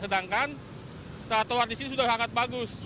sedangkan satu arah di sini sudah sangat bagus